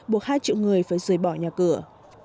buộc hai triệu người phải rời bỏ nhà cửa